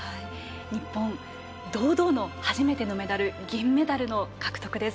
日本堂々の初めてのメダル銀メダル獲得です。